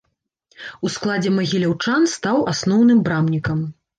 У складзе магіляўчан стаў асноўным брамнікам.